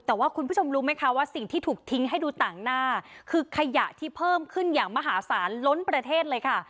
แต่ว่าคุณผู้ชมรู้ไหมคะว่าสิ่งที่ถูกทิ้งให้ดูต่างหน้าคือขยะที่เพิ่มขึ้นอย่างมหาศาลล้นประเทศเลยค่ะ